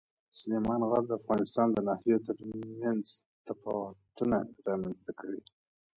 سلیمان غر د افغانستان د ناحیو ترمنځ تفاوتونه رامنځ ته کوي.